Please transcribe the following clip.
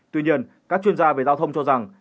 tuy nhiên các chuyên gia về giao thông cho rằng